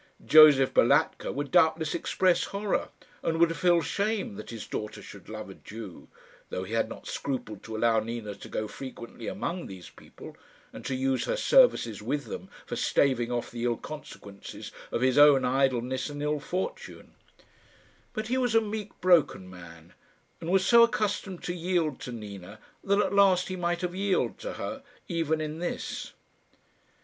Josef Balatka would doubtless express horror, and would feel shame that his daughter should love a Jew though he had not scrupled to allow Nina to go frequently among these people, and to use her services with them for staving off the ill consequences of his own idleness and ill fortune; but he was a meek, broken man, and was so accustomed to yield to Nina that at last he might have yielded to her even in this.